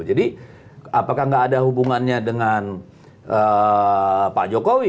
jadi apakah nggak ada hubungannya dengan pak jokowi